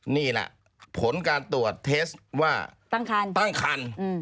นี่นะผลการตรวจเทสว่าตั้งคัน